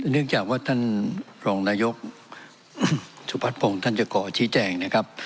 เนื่องจากว่าท่านรองนายกสุภาพพรงศ์ท่านเจอก่อชี้แจ้งนะครับ